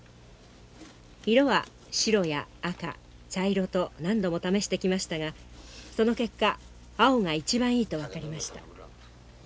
色は白や赤茶色と何度も試してきましたがその結果青が一番いいと分かりました。